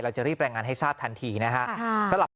เราจะรีบแปลงงานให้ทราบทันทีนะครับ